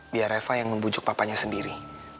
biar eva yang membujuk papanya sendiri